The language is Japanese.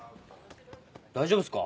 大丈夫っすか？